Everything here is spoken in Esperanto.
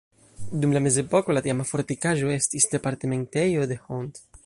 Dum la mezepoko la tiama fortikaĵo estis departementejo de Hont.